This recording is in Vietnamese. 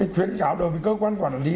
khuyến cáo đối với cơ quan quản lý